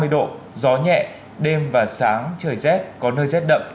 ba mươi độ gió nhẹ đêm và sáng trời rét có nơi rét đậm